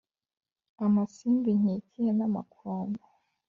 Amasimbi nkikiye n’amakombe